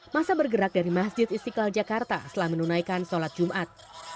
masa bergerak dari masjid istiqlal jakarta setelah menunaikan sholat jumat